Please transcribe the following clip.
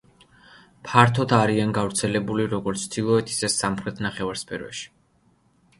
ფართოდ არიან გავრცელებული როგორც ჩრდილოეთ, ისე სამხრეთ ნახევარსფეროში.